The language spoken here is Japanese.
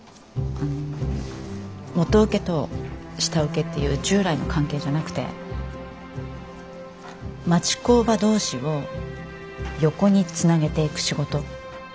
元請けと下請けっていう従来の関係じゃなくて町工場同士を横につなげていく仕事。